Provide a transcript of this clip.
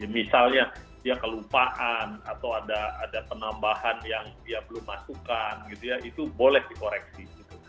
misalnya dia kelupaan atau ada penambahan yang dia belum masukkan gitu ya itu boleh dikoreksi